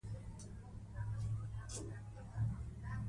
تعلیم یافته کسان په اسانۍ سره پر یو بل باور کوي.